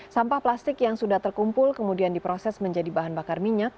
sampah plastik yang sudah terkumpul kemudian diproses menjadi bahan bakar minyak